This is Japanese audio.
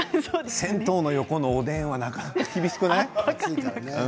銭湯の横のおでんはなかなか厳しくない？